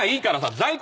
在庫。